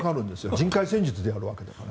人海戦術でやるわけですから。